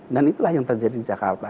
dan itulah yang terjadi di jakarta